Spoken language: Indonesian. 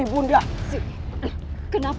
ia bukan sesuatu yang gta